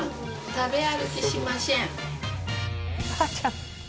食べ歩きしません。